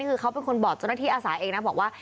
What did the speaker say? คือเขาเป็นคนบอกเจ้าหน้าที่อาสาเองนะบอกว่า